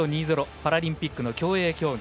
パラリンピックの競泳競技。